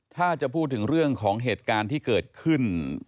ถ้าจะพูดถึงเรื่องของเหตุการณ์ที่เกิดขึ้น